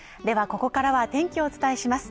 ここからは天気をお伝えします